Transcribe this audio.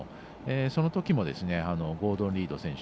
そのときもゴードン・リード選手